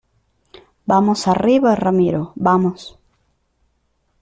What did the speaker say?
vamos, arriba. ramiro , vamos .